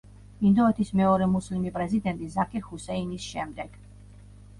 ინდოეთის მეორე მუსლიმი პრეზიდენტი ზაქირ ჰუსეინის შემდეგ.